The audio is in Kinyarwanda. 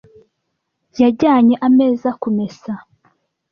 Yajyanye ameza kumesa.